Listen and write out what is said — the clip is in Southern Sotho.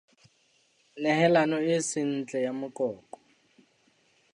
Nehelano e seng ntle ya moqoqo.